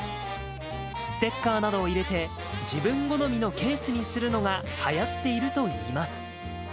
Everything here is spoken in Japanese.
ステッカーなどを入れて、自分好みのケースにするのがはやっているといいます。